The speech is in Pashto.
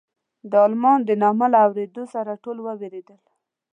د المان د نامه له اورېدو سره ټول وېرېدل.